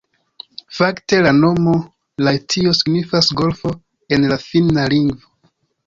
Fakte la nomo Lahtio signifas golfo en la finna lingvo.